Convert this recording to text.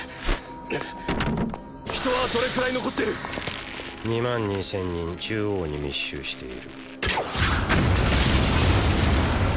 人はどれくらい残ってる⁉２万２千人中央に密集している。